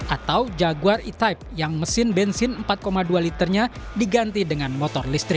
atau jaguar etaib yang mesin bensin empat dua liternya diganti dengan motor listrik